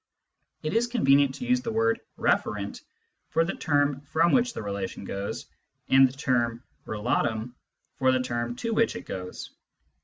It is convenient to use the word referent for the term from which the relation goes, and the term relatum for the term to which it goes.